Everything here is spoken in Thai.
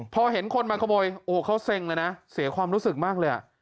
พอเห็นคนมาขโมยโอ้เขาเซ็งเลยนะเสียความรู้สึกมากเลยอ่ะ